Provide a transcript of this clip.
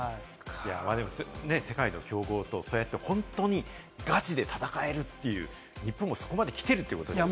でも世界の強豪と本当にガチで戦えるという日本もそこまで来ているということですね。